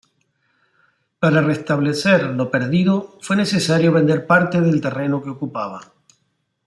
Para restablecer lo perdido fue necesario vender parte del terreno que ocupaba.